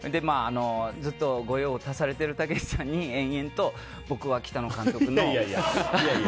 ずっとご用を足されてるたけしさんに延々と、僕は北野監督の。